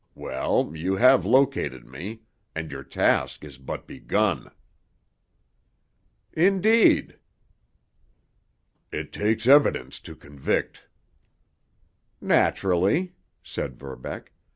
Well, you have located me—and your task is but begun." "Indeed?" "It takes evidence to convict." "Naturally," said Verbeck.